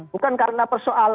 bukan karena persoalan